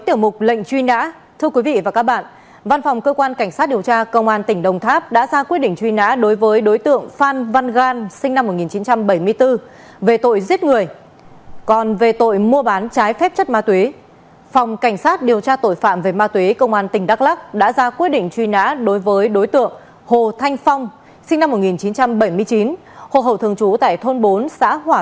tiểu mục lệnh truy nã sẽ kết thúc bản tin nhanh sáng nay cảm ơn quý vị các đồng chí và các bạn đã dành thời gian quan tâm theo dõi